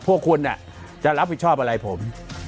พวกคุณจะรับผิดชอบอะไรผม